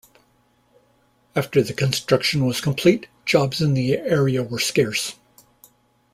After the construction was complete, jobs in the area were scarce.